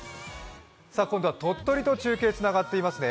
今度は鳥取と中継がつながっていますね